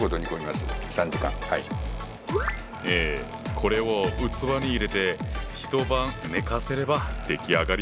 これを器に入れて一晩寝かせれば出来上がり。